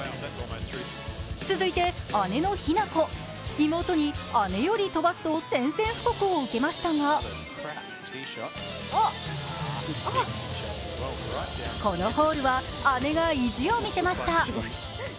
続いて姉の日向子、妹に姉より飛ばすと宣戦布告を受けましたがこのホールは姉が意地を見せました。